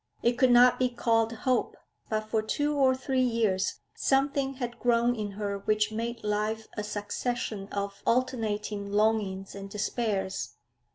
It could not be called hope, but for two or three years something had grown in her which made life a succession of alternating longings and despairs.